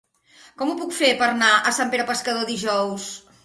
Com ho puc fer per anar a Sant Pere Pescador dijous?